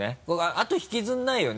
あと引きずらないよね？